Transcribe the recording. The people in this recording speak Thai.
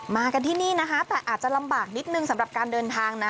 กันที่นี่นะคะแต่อาจจะลำบากนิดนึงสำหรับการเดินทางนะ